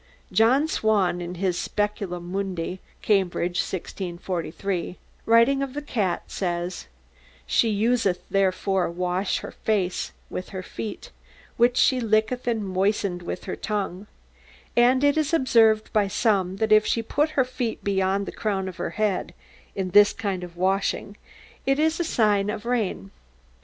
John Swan, in his 'Speculum Mundi' (Cambridge, 1643), writing of the cat, says: 'She useth therefore to wash her face with her feet, which she licketh and moisteneth with her tongue; and it is observed by some that if she put her feet beyond the crown of her head in this kind of washing, it is a signe of rain.'